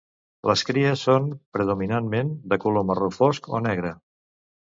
Les cries són predominantment de color marró fosc o negre.